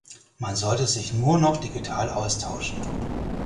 Man solle sich nur noch digital austauschen.